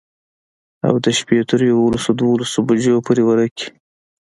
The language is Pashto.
او د شپي تر يوولس دولسو بجو پورې ورقې.